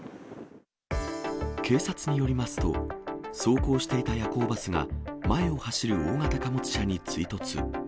警察によりますと、走行していた夜行バスが、前を走る大型貨物車に追突。